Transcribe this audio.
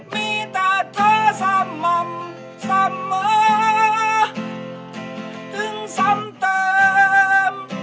มีแต่เธอซ้ำม่ำซ้ำมือถึงซ้ำเติม